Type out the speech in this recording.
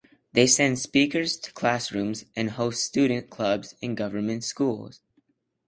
They send speakers to classrooms and host student clubs in government schools.